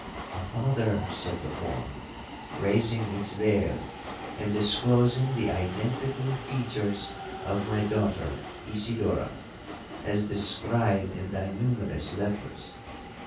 '—'A father,' said the form, raising its veil, and disclosing the identical features of my daughter Isidora, as described in thy numerous letters.